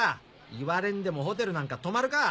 言われんでもホテルなんか泊まるか！